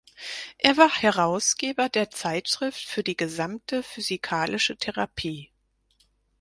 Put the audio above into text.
Er war Herausgeber der "Zeitschrift für die gesamte physikalische Therapie".